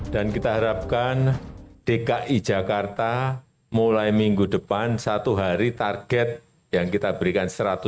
dan kita harapkan dki jakarta mulai minggu depan satu hari target yang kita berikan seratus